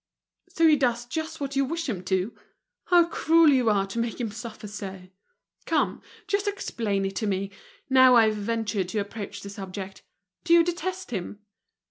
"So he does just what you wish him to? How cruel you are, to make him suffer so! Come, just explain it to me, now I've ventured to approach the subject. Do you detest him?"